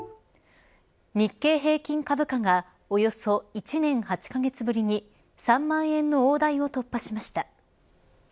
日経平均株価がおよそ１年８カ月ぶりに３万円の大台を突破しました。